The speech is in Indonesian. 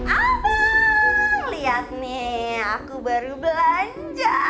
abang liat nih aku baru belanja